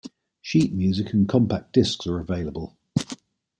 Sheet music and compact discs are available.